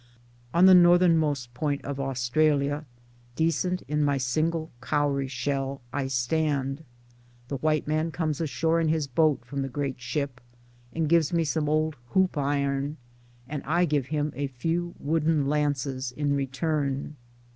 On the northern most point of Australia, decent in my single cowry shell, I stand. The white man comes ashore in his boat from the great ship, and gives me some old hoop iron, and I give him a few wooden lances in return.